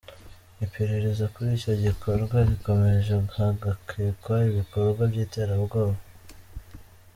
Iperereza kuri icyo gikorwa rirakomeje, hagakekwa ibikorwa by’iterabwoba.